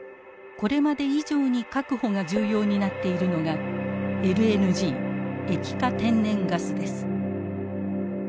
これまで以上に確保が重要になっているのがＬＮＧ液化天然ガスです。